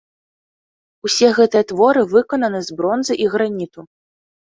Усе гэтыя творы выкананы з бронзы і граніту.